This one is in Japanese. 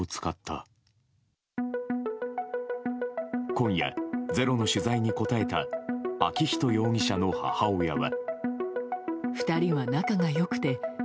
今夜、「ｚｅｒｏ」の取材に答えた昭仁容疑者の母親は。